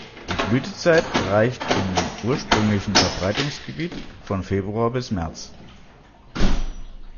Die Blütezeit reicht im ursprünglichen Verbreitungsgebiet von Februar bis März.